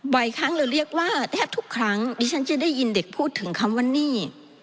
ครั้งเราเรียกว่าแทบทุกครั้งดิฉันจะได้ยินเด็กพูดถึงคำว่านี่